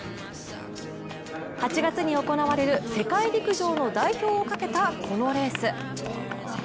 ８月に行われる世界陸上の代表をかけた、このレース。